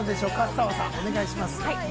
澤さん、お願いします。